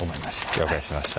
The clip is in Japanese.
了解しました。